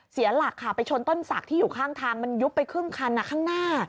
เสียหลักค่ะไปชนต้นศักดิ์ที่อยู่ข้างทางมันยุบไปครึ่งคันข้างหน้า